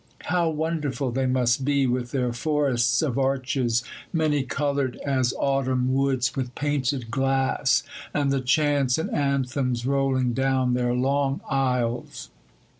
How wonderful they must be, with their forests of arches, many coloured as autumn woods with painted glass, and the chants and anthems rolling down their long aisles!